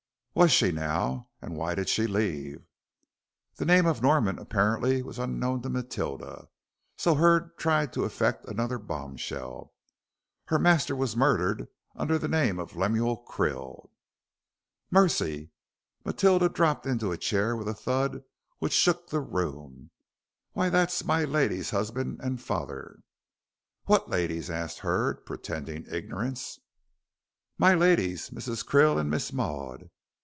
"Was she, now? And why did she leave?" The name of Norman apparently was unknown to Matilda, so Hurd tried the effect of another bombshell. "Her master was murdered under the name of Lemuel Krill." "Mercy," Matilda dropped into a chair, with a thud which shook the room; "why, that's my ladies' husband and father." "What ladies?" asked Hurd, pretending ignorance. "My ladies, Mrs. Krill and Miss Maud.